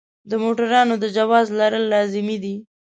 د موټروان د جواز لرل لازمي دي.